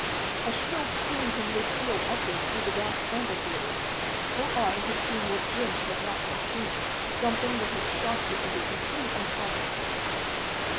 A shrill scream from Lucille echoed through the vast amphitheatre. Her eye had seen what Jim's had not yet seen something that had shocked her into complete unconsciousness.